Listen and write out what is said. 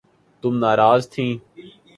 تم ناراض تھیں